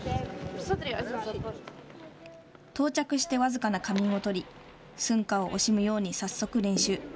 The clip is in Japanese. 到着して僅かな仮眠を取り寸暇を惜しむように早速練習。